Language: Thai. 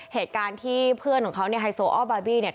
เหตุการณ์ที่เพื่อนของเขาเนี่ยไฮโซอ้อบาร์บี้เนี่ย